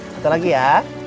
satu lagi ya